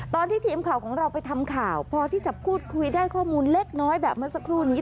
ตอนที่ทีมข่าวของเราไปทำข่าวพอที่จะพูดคุยได้ข้อมูลเล็กน้อยแบบเมื่อสักครู่นี้